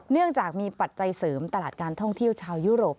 เนื่องจากมีปัจจัยเสริมตลาดการท่องเที่ยวชาวยุโรป